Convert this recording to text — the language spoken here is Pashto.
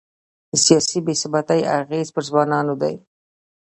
د سیاسي بې ثباتۍ اغېز پر ځوانانو دی.